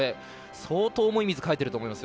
相当、重い水をかいていると思います。